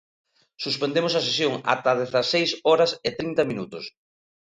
Suspendemos a sesión ata as dezaseis horas e trinta minutos.